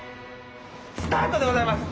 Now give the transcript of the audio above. スタートでございます。